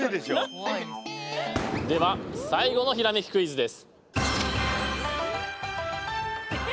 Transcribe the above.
では最後のひらめきクイズです。